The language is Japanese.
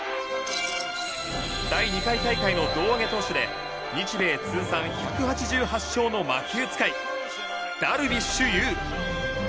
第２回大会の胴上げ投手で日米通算１８８勝の魔球使いダルビッシュ有。